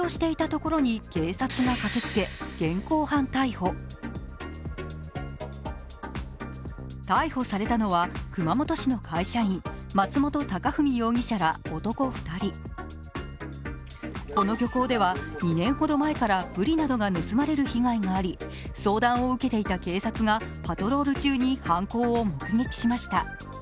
この漁港では２年ほど前からぶりなどが盗まれる被害があり相談を受けていた警察がパトロール中に犯行を目撃しました。